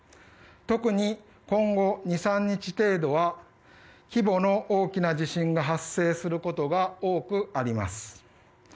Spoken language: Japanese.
特に今後、２３日程度は規模の大きな地震が発生することが多くあります。